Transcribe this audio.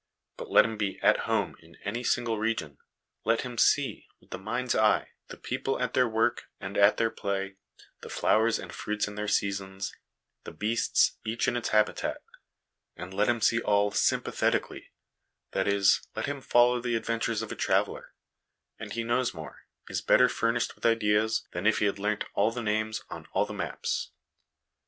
But let him be at home in any single region ; let him see, with the mind's eye, the people at their work and at their play, the flowers and fruits in their seasons, the beasts, each in its habitat ; and let him see all sympathetically^ that is, let him follow the adventures of a traveller; and he knows more, is better fur nished with ideas, than if he had learnt all the names on all the maps.